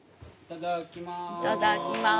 いただきます。